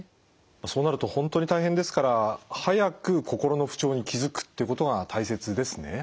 そうなると本当に大変ですから早く心の不調に気付くっていうことが大切ですね。